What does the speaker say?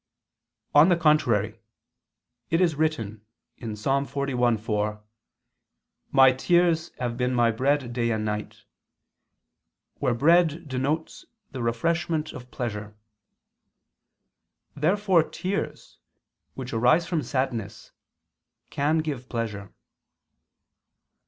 On the contrary, It is written (Ps. 41:4): "My tears have been my bread day and night": where bread denotes the refreshment of pleasure. Therefore tears, which arise from sadness, can give pleasure.